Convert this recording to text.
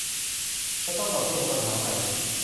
และต้องต่อสู้กับปัญหาใหม่